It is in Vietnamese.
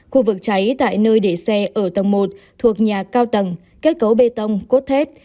khu vực cháy tại nơi để xe ở tầng một thuộc nhà cao tầng kết cấu bê tông cốt thép